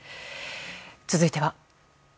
続いては。